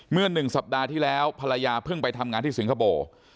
เมื่อ๑สัปดาห์ที่แล้วภรรยาเพิ่งไปทำงานที่สิงคโปร์